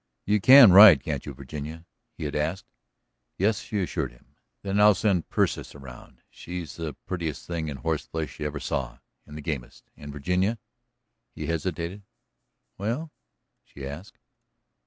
"You can ride, can't you, Virginia?" he had asked. "Yes," she assured him. "Then I'll send Persis around; she's the prettiest thing in horseflesh you ever saw. And the gamest. And, Virginia ..." He hesitated. "Well?" she asked.